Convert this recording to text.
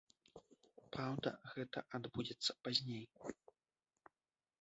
Праўда, гэта адбудзецца пазней.